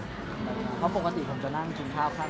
เพราะปกติผมจะนั่งกินข้าวข้าง